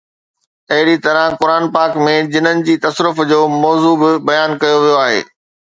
اهڙيءَ طرح قرآن پاڪ ۾ جنن جي تصرف جو موضوع به بيان ڪيو ويو آهي